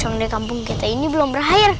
orang dari kampung kita ini belum berakhir